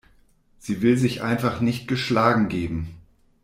Sie will sich einfach nicht geschlagen geben.